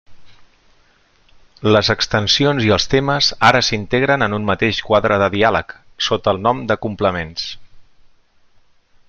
Les extensions i el temes ara s'integren en un mateix quadre de diàleg, sota el nom de Complements.